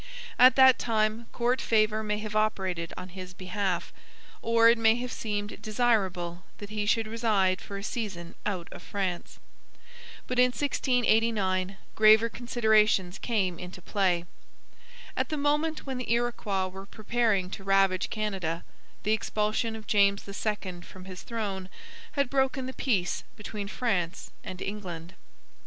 At that time court favour may have operated on his behalf, or it may have seemed desirable that he should reside for a season out of France. But in 1689 graver considerations came into play. At the moment when the Iroquois were preparing to ravage Canada, the expulsion of James II from his throne had broken the peace between France and England.